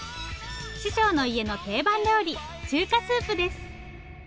師匠の家の定番料理中華スープです。